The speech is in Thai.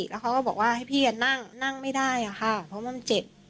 แล้วเขาก็บอกว่าให้พี่นั่งนั่งไม่ได้ค่ะเพราะมันเจ็บ